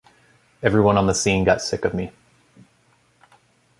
Everyone on the scene got sick of me.